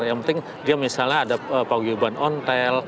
yang penting dia misalnya ada paguyuban ontel